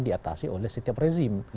diatasi oleh setiap rezim